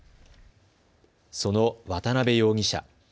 その渡邊容疑者。